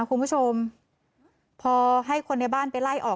คุณผู้ชมพอให้คนในบ้านไปไล่ออก